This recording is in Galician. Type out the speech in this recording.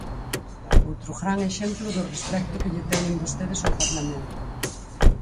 Outro gran exemplo do respecto que lle teñen vostedes ao Parlamento.